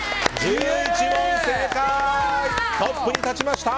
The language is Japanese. トップに立ちました。